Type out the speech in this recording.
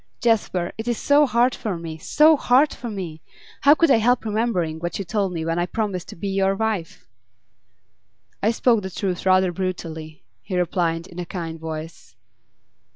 'Jasper, it is so hard for me! So hard for me! How could I help remembering what you told me when I promised to be your wife?' 'I spoke the truth rather brutally,' he replied, in a kind voice.